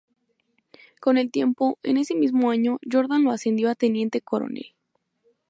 Con el tiempo, en ese mismo año, Jordan lo ascendió a Teniente Coronel.